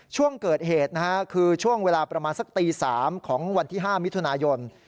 ช่วงเกิดเหตุนะฮะคือช่วงเวลาประมาณสักตี๓ของวันที่๕มิถุนายน